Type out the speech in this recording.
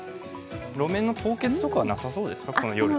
路面の凍結とかは夜なさそうですか？